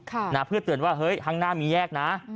ค่ะนะเพื่อเตือนว่าเฮ้ยข้างหน้ามีแยกนะ